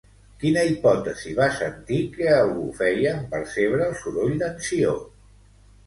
Quina hipòtesi va sentir que algú feia en percebre el soroll d'en Ció?